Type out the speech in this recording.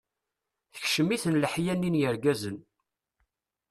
Tekcem-iten leḥya-nni n yirgazen.